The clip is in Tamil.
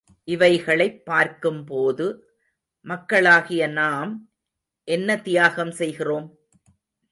இவைகளைப் பார்க்கும்போது— மக்களாகிய நாம் என்ன தியாகம் செய்கிறோம்?